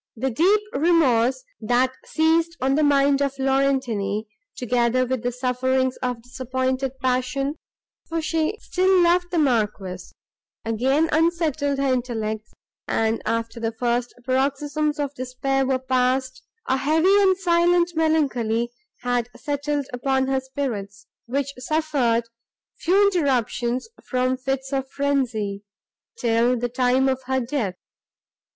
The deep remorse, that seized on the mind of Laurentini, together with the sufferings of disappointed passion, for she still loved the Marquis, again unsettled her intellects, and, after the first paroxysms of despair were passed, a heavy and silent melancholy had settled upon her spirits, which suffered few interruptions from fits of frenzy, till the time of her death.